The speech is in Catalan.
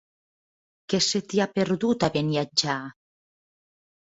Què se t'hi ha perdut, a Beniatjar?